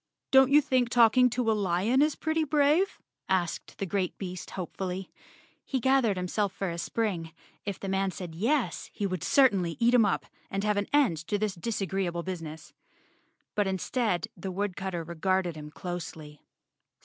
"Don't you think talking to a lion is pretty brave?" asked the great beast hopefully. He gathered himself for a spring. If the man said yes, he would certainly eat him up and have an end to this disagreeable busi¬ ness. But instead, the woodcutter regarded him closely.